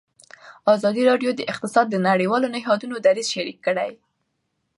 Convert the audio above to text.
ازادي راډیو د اقتصاد د نړیوالو نهادونو دریځ شریک کړی.